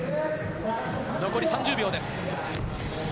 残り３０秒です。